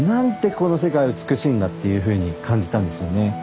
この世界美しいんだっていうふうに感じたんですよね。